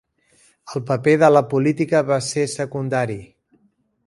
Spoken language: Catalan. El paper de la política va ser secundari.